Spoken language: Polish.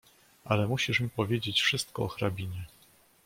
"Ale musisz mi powiedzieć wszystko o hrabinie."